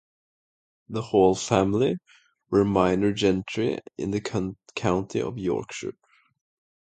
The Hall family were minor gentry in the county of Yorkshire.